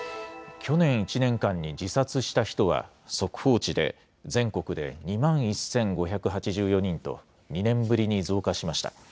去年１年間に自殺した人は、速報値で全国で２万１５８４人と、２年ぶりに増加しました。